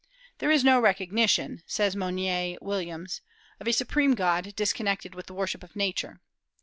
"There is no recognition," says Monier Williams, "of a Supreme God disconnected with the worship of Nature."